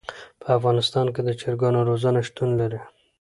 په افغانستان کې د چرګانو روزنه شتون لري.